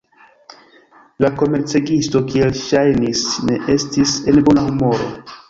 La komercegisto, kiel ŝajnis, ne estis en bona humoro.